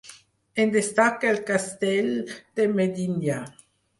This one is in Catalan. En destaca el Castell de Medinyà.